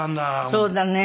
そうだね。